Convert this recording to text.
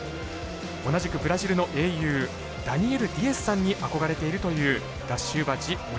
同じくブラジルの英雄ダニエル・ディアスさんに憧れているというダシウバジオリベイラ。